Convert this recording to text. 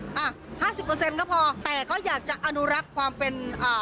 ๕๐ก็พอแต่ก็อยากจะอนุรักษ์ความเป็น